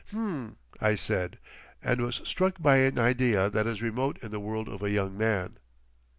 "H'm," I said, and was struck by an idea that is remote in the world of a young man.